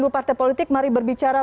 sepuluh partai politik mari berbicara